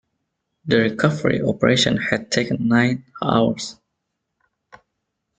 The recovery operation had taken nine hours.